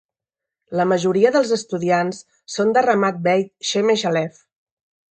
La majoria dels estudiants són de Ramat Beit Shemesh Alef.